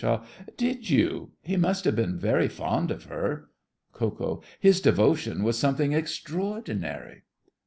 Did you? He must have been very fond of her. KO. His devotion was something extraordinary.